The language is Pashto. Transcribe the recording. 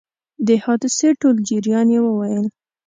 د حادثې ټول جریان یې وویل.